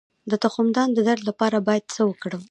د تخمدان د درد لپاره باید څه وکړم؟